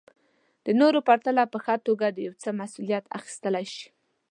د نورو په پرتله په ښه توګه د يو څه مسوليت اخيستلی شي.